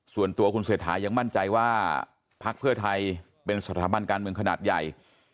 ส่วนตัวคุณเศรษฐายังมั่นใจว่าพักเพื่อไทยเป็นสถาบันการเมืองขนาดใหญ่